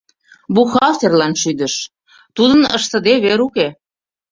Бухгалтерлан шӱдыш — тудын ыштыде вер уке.